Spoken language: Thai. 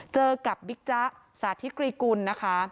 เจอกับบิ๊กจ๊ะสาธิตรีกุลนะคะ